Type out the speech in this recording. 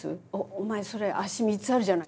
お前それ足３つあるじゃない。